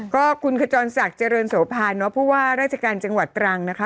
ก็คุณขจรศักดิ์เจริญโสภาเนาะผู้ว่าราชการจังหวัดตรังนะคะ